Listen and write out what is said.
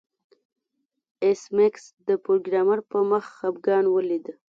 ایس میکس د پروګرامر په مخ خفګان ولید